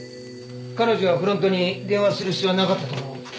彼女はフロントに電話する必要はなかったと思う。